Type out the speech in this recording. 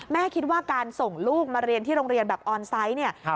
คิดว่าการส่งลูกมาเรียนที่โรงเรียนแบบออนไซต์เนี่ย